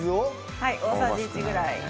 はい大さじ１ぐらい。